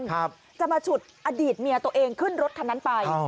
ครับจะมาฉุดอดีตเมียตัวเองขึ้นรถคันนั้นไป